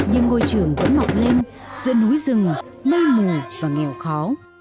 nhưng ngôi trường vẫn mọc lên giữa núi rừng mây mù và nghèo khó